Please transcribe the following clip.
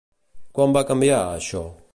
Quan va canviar, això?